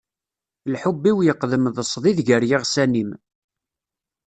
Lḥubb-iw yeqdem d sḍid gar yiɣsan-im.